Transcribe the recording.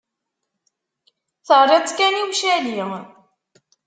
Terriḍ-tt kan i ucali.